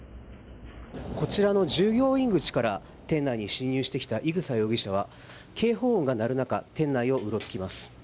こちらの従業員口から店内に侵入してきた伊草容疑者は警報音が鳴る中店内をうろつきます。